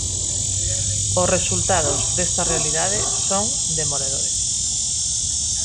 Os resultados desta realidade son demoledores.